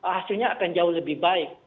hasilnya akan jauh lebih baik